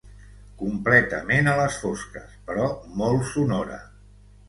Completament a les fosques, però molt sonora.